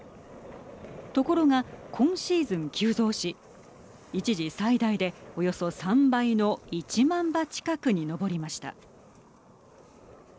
ところが、今シーズン急増し一時、最大でおよそ３倍の１万羽近くに上りました。